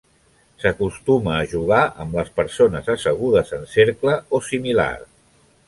S'acostuma a jugar amb les persones assegudes en cercle o similar.